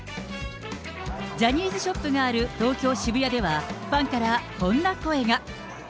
ジャニーズショップがある東京・渋谷では、ファンからこんな声が。